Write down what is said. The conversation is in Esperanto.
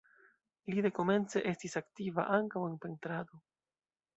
Li dekomence estis aktiva ankaŭ en pentrado.